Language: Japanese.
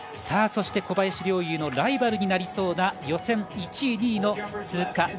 そして小林陵侑のライバルになりそうな予選１位、２位の通過